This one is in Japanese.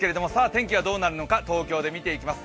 天気はどうなるのか東京で見ていきます。